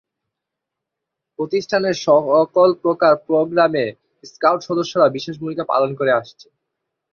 প্রতিষ্ঠানের সকল প্রকার প্রোগ্রামে স্কাউট সদস্যরা বিশেষ ভূমিকা পালন করে আসছে।